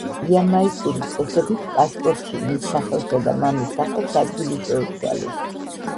იამაიკური წესებით პასპორტში მის სახელსა და მამის სახელს ადგილი შეუცვალეს.